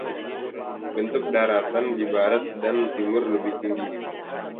Bentuk daratan di barat dan timur lebih tinggi.